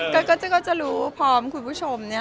ก็จะรู้พร้อมของคุณผู้ชมนี่นะคะ